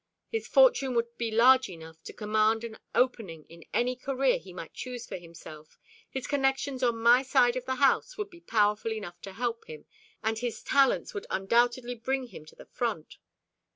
His fortune would be large enough to command an opening in any career he might choose for himself, his connections on my side of the house would be powerful enough to help him, and his talents would undoubtedly bring him to the front.